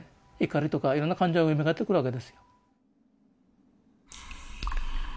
怒りとかいろんな感情がよみがえってくるわけですよ。